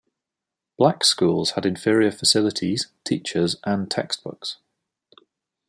Black schools had inferior facilities, teachers, and textbooks.